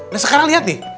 nah sekarang lihat nih